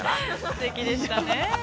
◆すてきでしたね。